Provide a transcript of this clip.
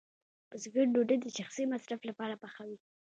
بزګر ډوډۍ د شخصي مصرف لپاره پخوي.